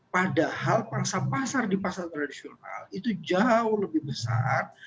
padahal pangsa pasar di pasar tradisional itu jauh lebih besar